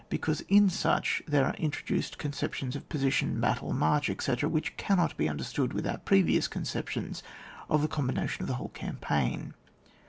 because in such there are intro duced conceptions of position, battle, march, etc., which cannot be imder stood without previous conceptions of the combination of the whole cam paign.